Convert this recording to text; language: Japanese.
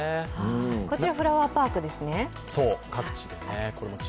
こちら、フラワーパークですね。